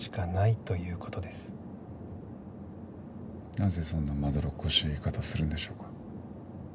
なぜそんなまどろっこしい言い方するんでしょうか？